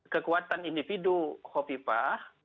kekuatan individu khofifah